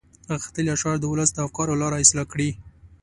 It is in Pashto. غښتلي اشعار د ولس د افکارو لاره اصلاح کړي.